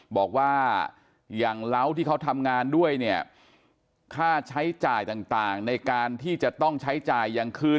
บอกว่าอย่างเหล้าที่เขาทำงานด้วยเนี่ยค่าใช้จ่ายต่างในการที่จะต้องใช้จ่ายอย่างคืน